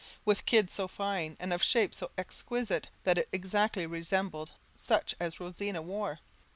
with kid so fine, and of shape so exquisite, that it exactly resembled such as Rosina wore!